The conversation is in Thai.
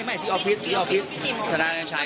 ไม่ออฟฟิศศาลานำชัย